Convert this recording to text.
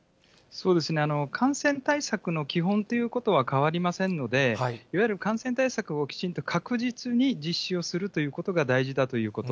感染対策の基本ということは変わりませんので、いわゆる感染対策をきちんと確実に実施をするということが大事だということ。